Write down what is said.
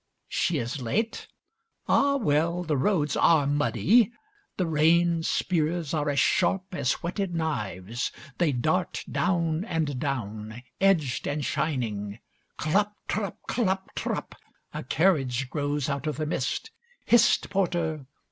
She is late? Ah, well, the roads are muddy. The rain spears are as sharp as whetted knives. They dart down and down, edged and shining. Clop trop! Clop trop! A carriage grows out of the mist. Hist, Porter.